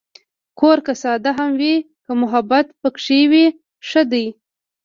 کور که ساده هم وي، که محبت پکې وي، ښه دی.